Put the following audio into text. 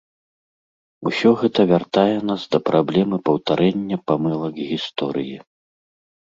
Усё гэта вяртае нас да праблемы паўтарэння памылак гісторыі.